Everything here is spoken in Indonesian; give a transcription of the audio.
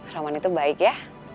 roman itu baik ya